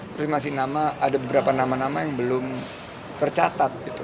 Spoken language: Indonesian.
terus masih ada beberapa nama nama yang belum tercatat